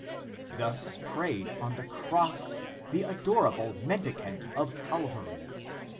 Thus prayed on the Cross the adorable Mendicant of Calvary.